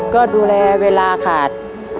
ก็ดูแลเวลาขาด